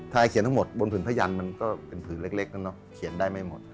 เขียนทั้งหมดบนผืนพยันมันก็เป็นผืนเล็กเขียนได้ไม่หมด